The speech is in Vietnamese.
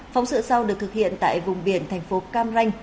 phóng sự sau được thực hiện tại vùng biển thành phố cam ranh